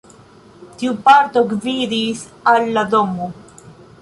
Tiu parto gvidis al la domo.